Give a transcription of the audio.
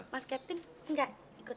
mas kevin enggak